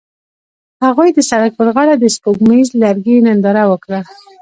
هغوی د سړک پر غاړه د سپوږمیز لرګی ننداره وکړه.